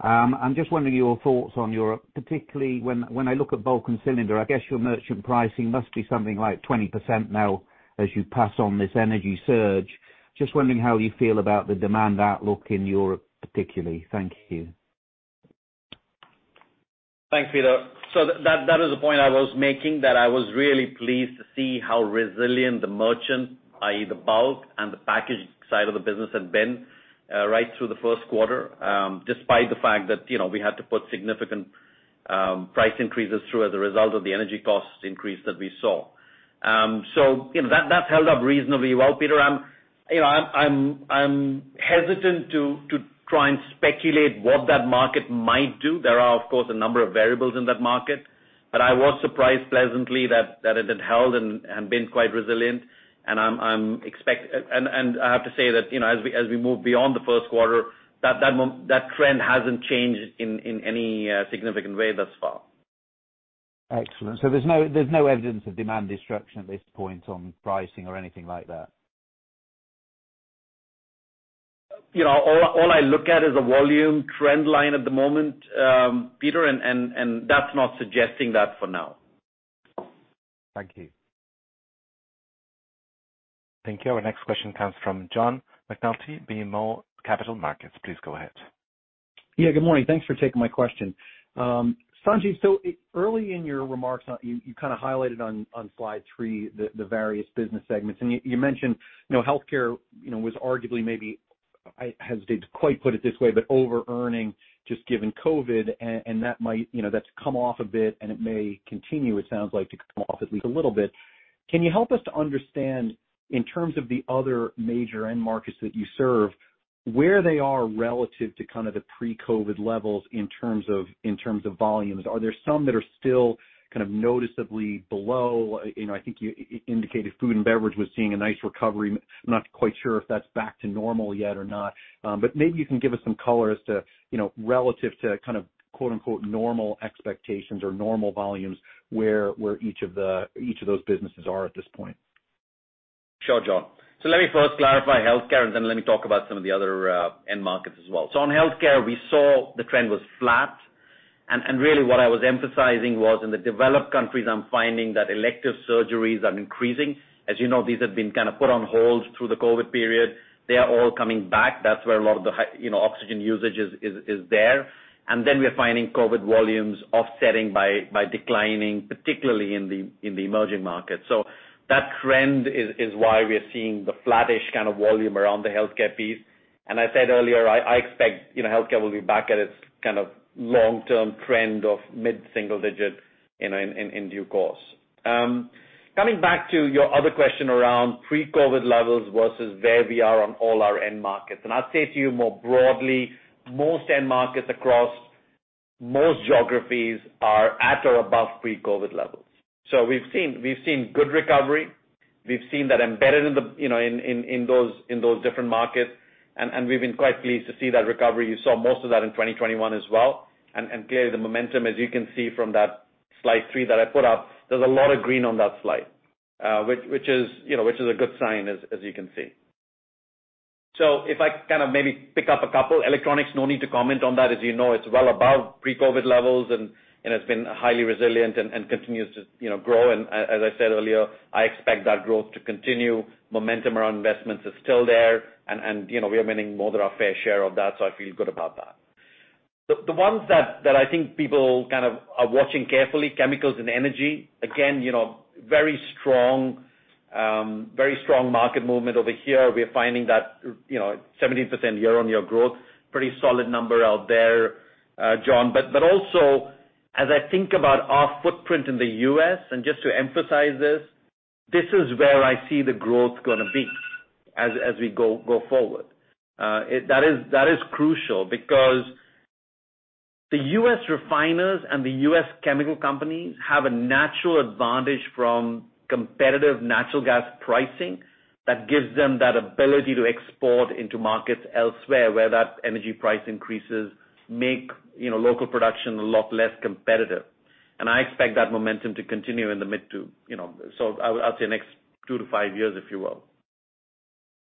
I'm just wondering your thoughts on Europe, particularly when I look at bulk and cylinder, I guess your merchant pricing must be something like 20% now as you pass on this energy surge. Just wondering how you feel about the demand outlook in Europe, particularly. Thank you. Thanks, Peter. That is a point I was making that I was really pleased to see how resilient the merchant, i.e., the bulk and the package side of the business had been right through the first quarter, despite the fact that, you know, we had to put significant price increases through as a result of the energy cost increase that we saw. That has held up reasonably well, Peter. I'm hesitant to try and speculate what that market might do. There are, of course, a number of variables in that market, but I was surprised pleasantly that it had held and been quite resilient. I have to say that, you know, as we move beyond the first quarter, that trend hasn't changed in any significant way thus far. Excellent. There's no evidence of demand destruction at this point on pricing or anything like that? You know, all I look at is a volume trend line at the moment, Peter, and that's not suggesting that for now. Thank you. Thank you. Our next question comes from John McNulty, BMO Capital Markets. Please go ahead. Yeah, good morning. Thanks for taking my question. Sanjiv, so early in your remarks, you kinda highlighted on slide three, the various business segments. You mentioned, you know, healthcare, you know, was arguably maybe, I hesitate to quite put it this way, but over-earning just given COVID, and that might, you know, that's come off a bit, and it may continue, it sounds like, to come off at least a little bit. Can you help us to understand, in terms of the other major end markets that you serve, where they are relative to kind of the pre-COVID levels in terms of volumes? Are there some that are still kind of noticeably below? You know, I think you indicated food and beverage was seeing a nice recovery. I'm not quite sure if that's back to normal yet or not. Maybe you can give us some color as to, you know, relative to kind of quote-unquote normal expectations or normal volumes where each of those businesses are at this point? Sure, John. Let me first clarify healthcare, and then let me talk about some of the other end markets as well. On healthcare, we saw the trend was flat, and really what I was emphasizing was in the developed countries, I'm finding that elective surgeries are increasing. As you know, these have been kind of put on hold through the COVID period. They are all coming back. That's where a lot of the high, you know, oxygen usage is there. Then we're finding COVID volumes offsetting by declining, particularly in the emerging markets. That trend is why we are seeing the flattish kind of volume around the healthcare piece. I said earlier, I expect, you know, healthcare will be back at its kind of long-term trend of mid-single digit, you know, in due course. Coming back to your other question around pre-COVID levels versus where we are on all our end markets, and I'd say to you more broadly, most end markets across most geographies are at or above pre-COVID levels. We've seen good recovery. We've seen that embedded in the, you know, in those different markets, and we've been quite pleased to see that recovery. You saw most of that in 2021 as well, and clearly, the momentum, as you can see from that slide three that I put up, there's a lot of green on that slide, which is a good sign as you can see. So if I kind of maybe pick up a couple. Electronics, no need to comment on that. As you know, it's well above pre-COVID levels and has been highly resilient and continues to, you know, grow. As I said earlier, I expect that growth to continue. Momentum around investments is still there and, you know, we are winning more than our fair share of that, so I feel good about that. The ones that I think people kind of are watching carefully, chemicals and energy, again, you know, very strong market movement over here. We're finding that, you know, 17% year-over-year growth, pretty solid number out there, John. Also, as I think about our footprint in the U.S., and just to emphasize this is where I see the growth gonna be as we go forward. That is crucial because the U.S. refiners and the U.S. chemical companies have a natural advantage from competitive natural gas pricing that gives them that ability to export into markets elsewhere, where that energy price increases make, you know, local production a lot less competitive. I expect that momentum to continue in the mid to, you know, so I'll say next two to five years, if you will.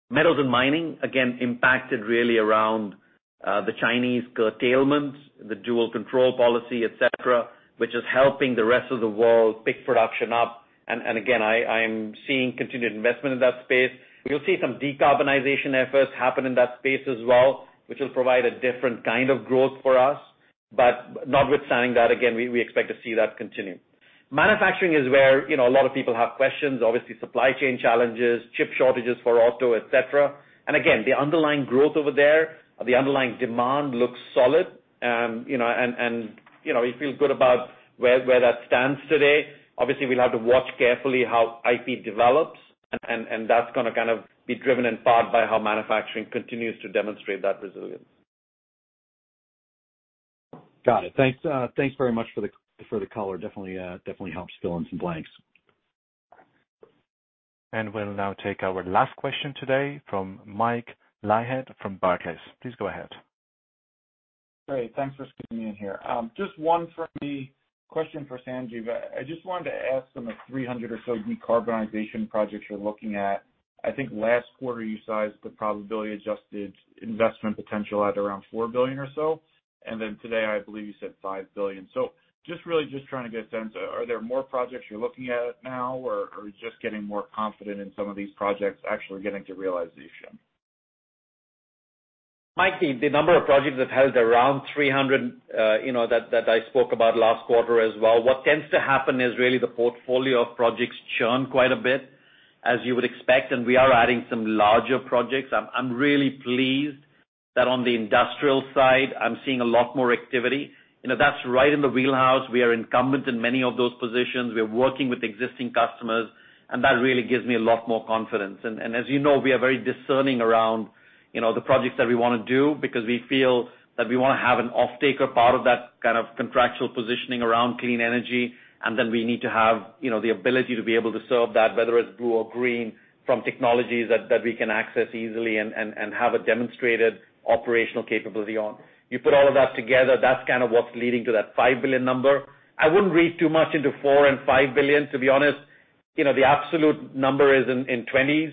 Metals and mining, again, impacted really around the Chinese curtailments, the dual control policy, et cetera, which is helping the rest of the world pick production up. Again, I'm seeing continued investment in that space. We'll see some decarbonization efforts happen in that space as well, which will provide a different kind of growth for us. But notwithstanding that, again, we expect to see that continue. Manufacturing is where, you know, a lot of people have questions, obviously, supply chain challenges, chip shortages for auto, et cetera. Again, the underlying growth over there, the underlying demand looks solid. You know, we feel good about where that stands today. Obviously, we'll have to watch carefully how IP develops and that's gonna kind of be driven in part by how manufacturing continues to demonstrate that resilience. Got it. Thanks. Thanks very much for the color. Definitely helps fill in some blanks. We'll now take our last question today from Mike Leithead from Barclays. Please go ahead. Great. Thanks for squeezing me in here. Just one for me, question for Sanjiv. I just wanted to ask on the 300 or so decarbonization projects you're looking at. I think last quarter you sized the probability-adjusted investment potential at around $4 billion or so, and then today I believe you said $5 billion. Just really trying to get a sense of, are there more projects you're looking at now or just getting more confident in some of these projects actually getting to realization? Mike, the number of projects that held around 300, you know, that I spoke about last quarter as well, what tends to happen is really the portfolio of projects churn quite a bit, as you would expect, and we are adding some larger projects. I'm really pleased that on the industrial side, I'm seeing a lot more activity. You know, that's right in the wheelhouse. We are incumbent in many of those positions. We are working with existing customers, and that really gives me a lot more confidence. As you know, we are very discerning around, you know, the projects that we wanna do because we feel that we wanna have an offtake or part of that kind of contractual positioning around clean energy, and then we need to have, you know, the ability to be able to serve that, whether it's blue or green, from technologies that we can access easily and have a demonstrated operational capability on. You put all of that together, that's kind of what's leading to that $5 billion number. I wouldn't read too much into $4 billion and $5 billion, to be honest. You know, the absolute number is in the twenties.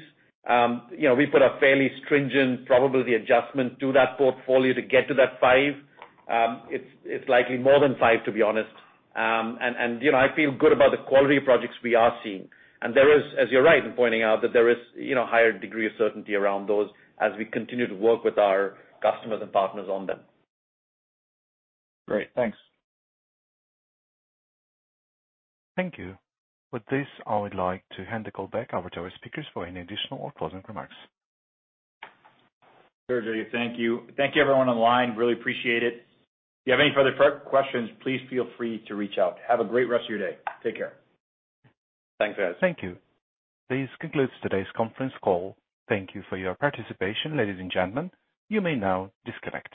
You know, we put a fairly stringent probability adjustment to that portfolio to get to that $5 billion. It's likely more than $5 billion, to be honest. I feel good about the quality of projects we are seeing. There is, as you're right in pointing out, you know, higher degree of certainty around those as we continue to work with our customers and partners on them. Great. Thanks. Thank you. With this, I would like to hand the call back over to our speakers for any additional or closing remarks. Sergei, thank you. Thank you everyone online. Really appreciate it. If you have any further questions, please feel free to reach out. Have a great rest of your day. Take care. Thanks, guys. Thank you. This concludes today's conference call. Thank you for your participation, ladies and gentlemen. You may now disconnect.